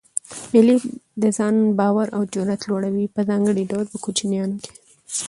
مېلې د ځان باور او جرئت لوړوي؛ په ځانګړي ډول په کوچنيانو کښي.